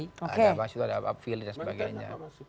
ada pak sudara pak fili dan sebagainya